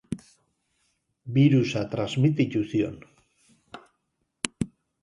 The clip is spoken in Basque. Birusa transmititu zion.